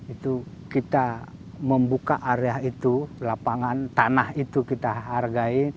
itu kita membuka area itu lapangan tanah itu kita hargai